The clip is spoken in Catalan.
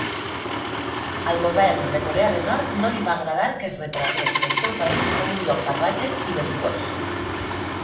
Al govern de Corea del Nord no li va agradar que es retratés el seu país com un lloc salvatge i bel·licós.